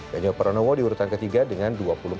ganjar pranowo di urutan ketiga dengan dua puluh empat